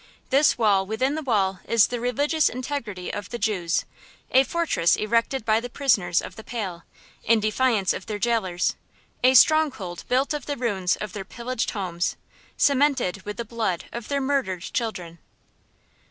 This wall within the wall is the religious integrity of the Jews, a fortress erected by the prisoners of the Pale, in defiance of their jailers; a stronghold built of the ruins of their pillaged homes, cemented with the blood of their murdered children.